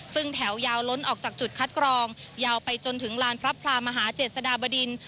ซึ่งแถวยาวล้นออกจากจุดคัดกรองยาวไปจนถึงลานพระพลามหาเจษฎาบดิน